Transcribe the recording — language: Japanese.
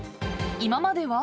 ［今までは？］